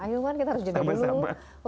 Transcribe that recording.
akhirnya kita harus jadikan dulu